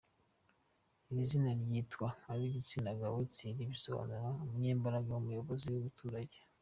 Iri zina ryitwa ab’igitsina gabo, Thierry bisobanura “umunyembaraga, umuyobozi w’abaturage.